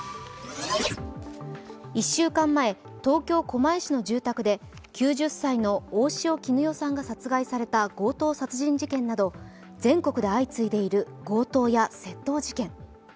１週間前、東京・狛江市の住宅で９０歳の大塩衣与さんが殺害された強盗殺人事件など、全国で相次いでいる強盗や窃盗事件。